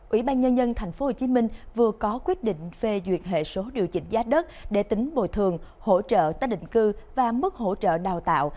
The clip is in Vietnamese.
ủy ban nhân dân tp hcm vừa có quyết định phê duyệt hệ số điều chỉnh giá đất để tính bồi thường hỗ trợ tác định cư và mức hỗ trợ đào tạo